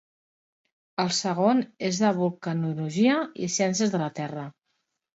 El segon és de vulcanologia i ciències de la terra.